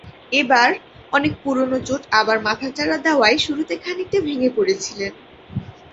এবার অনেক পুরোনো চোট আবার মাথাচাড়া দেওয়ায় শুরুতে খানিকটা ভেঙে পড়েছিলেন।